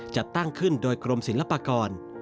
จัดตั้งขึ้นโดยกรมศิลปากร